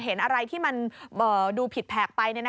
เห็นอะไรที่มันดูผิดแผกไป